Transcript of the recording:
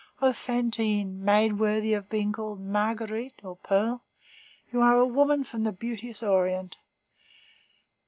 O Fantine, maid worthy of being called Marguerite or Pearl, you are a woman from the beauteous Orient.